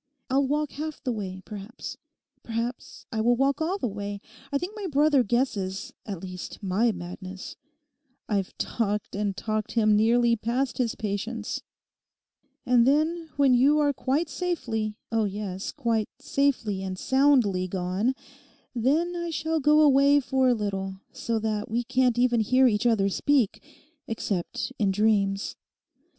I'll walk half the way, perhaps. Perhaps I will walk all the way. I think my brother guesses—at least my madness. I've talked and talked him nearly past his patience. And then, when you are quite safely, oh yes, quite safely and soundly gone, then I shall go away for a little, so that we can't even hear each other speak, except in dreams.